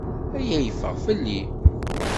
Aya yeffeɣ fell-i.